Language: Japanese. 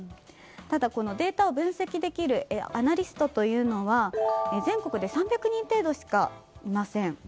ただ、データを分析できるアナリストというのは全国で３００人程度しかいません。